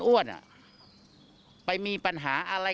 อ้วนไปมีปัญหาอะไร